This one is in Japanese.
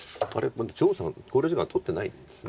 まだ張栩さん考慮時間取ってないんですね